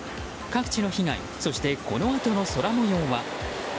各地の被害そしてこのあとの空模様は？